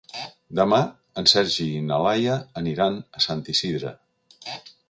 Demà en Sergi i na Laia aniran a Sant Isidre.